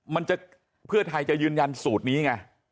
มันจะเพื่อไทยจะยืนยันสูตรนี้ไง